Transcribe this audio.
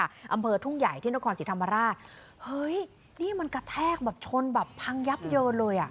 อำเภอทุ่งใหญ่ที่นครศรีธรรมราชเฮ้ยนี่มันกระแทกแบบชนแบบพังยับเยินเลยอ่ะ